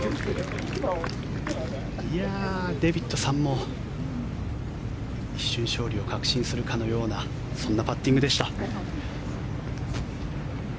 デービッドさんも一瞬、勝利を確信するかのようなそんなパッティングでした。